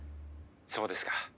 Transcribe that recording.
「そうですか。